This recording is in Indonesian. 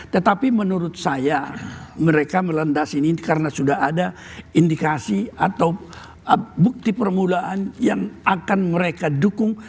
tetapi menurut saya mereka melandas ini karena sudah ada indikasi atau bukti permulaan yang akan mereka dukung